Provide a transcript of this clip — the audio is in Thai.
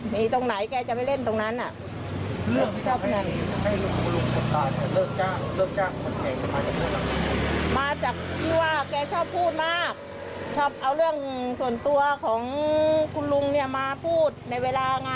มาจากที่ว่าแกชอบพูดมากชอบเอาเรื่องส่วนตัวของคุณลุงเนี่ยมาพูดในเวลางาน